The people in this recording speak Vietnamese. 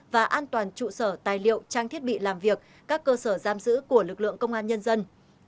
và an toàn trụ sở tài liệu trang thiết bị làm việc các cơ sở giam giữ của lực lượng công an nhân dân